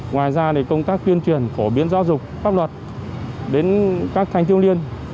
ngoài ra công tác tuyên truyền phổ biến giáo dục pháp luật đến các thanh thiếu niên